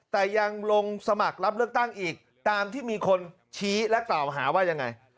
แต่ยังลงสมัครรับเลือกตั้งอีกตามที่มีคนชี้และกล่าวหาว่ายังไง